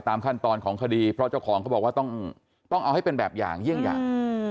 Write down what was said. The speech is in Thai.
ขั้นตอนของคดีเพราะเจ้าของเขาบอกว่าต้องเอาให้เป็นแบบอย่างเยี่ยงอย่าง